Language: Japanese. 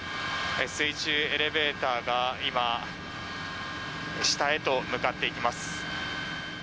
水中エレベーターが今下へと向かっていきます。